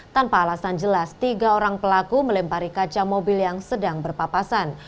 tanpa alasan jelas tiga orang pelaku melempari kaca mobil yang sedang berpapasan